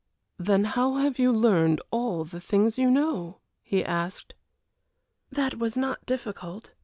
"Then how have you learned all the things you know?" he asked. "That was not difficult.